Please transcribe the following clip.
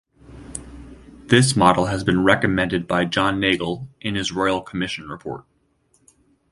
This model had been recommended by John Nagle in his royal commission report.